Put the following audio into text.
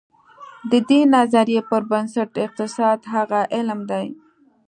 د دې نظریې پر بنسټ اقتصاد هغه علم دی.